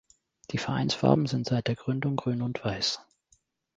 Die Vereinsfarben sind seit der Gründung Grün und Weiß.